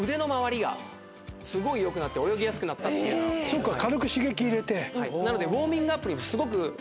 そっか軽く刺激入れて。